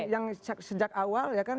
yang sejak awal ya kan